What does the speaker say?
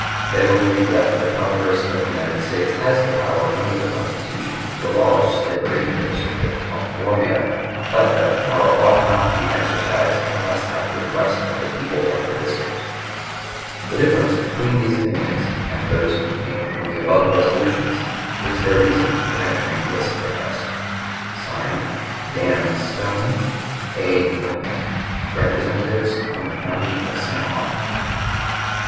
They believe that the Congress of the United States has the power, under the Constitution, to abolish slavery in the District of Columbia, but that the power ought not to be exercised, unless at the request of the people of the District. The difference between these opinions and those contained in the above resolutions is their reason for entering this protest. (Signed) DAN STONE, A. LINCOLN, Representatives from the county of Sangamon.